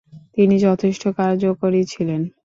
তিনি যথেষ্ট কার্যকরী ছিলেন।